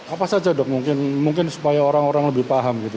apa saja dok mungkin supaya orang orang lebih paham gitu